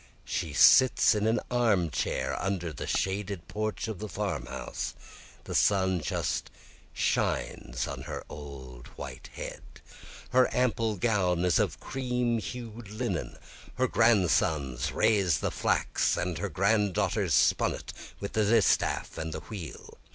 She sits in an armchair under the shaded porch of the farmhouse, The sun just shines on her old white head. Her ample gown is of cream hued linen, Her grandsons raised the flax, and her grand daughters spun it with the distaff and the wheel.